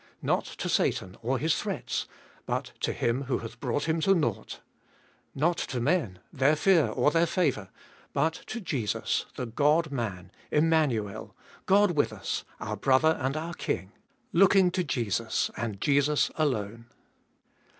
Not to Satan or his threats, but to Him who hath brought him to naught. Not to men, their fear or their favour, but to Jesus, the God Man, Immanuel, God with us, our Brother and our King. Looking to Jesus and Jesus alone.